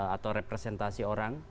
atau representasi orang